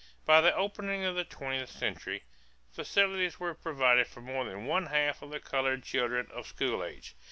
By the opening of the twentieth century, facilities were provided for more than one half of the colored children of school age.